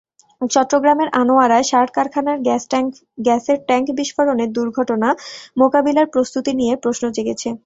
চট্টগ্রামের আনোয়ারায় সার কারখানার গ্যাসের ট্যাংক বিস্ফোরণ দুর্ঘটনা মোকাবিলার প্রস্তুতি নিয়ে প্রশ্ন জেগেছে।